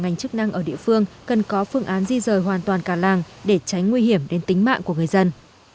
ngành chức năng ở địa phương cần có phương án di rời hoàn toàn cả làng để tránh nguy hiểm đến tính mạng của người dân